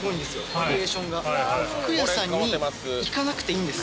バリエーションが服屋さんに行かなくていいんです